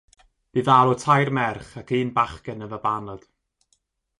Bu farw tair merch ac un bachgen yn fabanod.